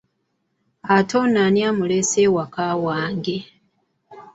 Ate ono ani amuleese ewaka wange?